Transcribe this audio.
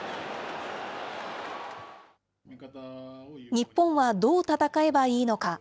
日本はどう戦えばいいのか。